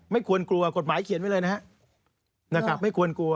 ไม่ควรกลัวกฎหมายเขียนไว้เลยนะครับไม่ควรกลัว